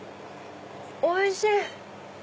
おいしい！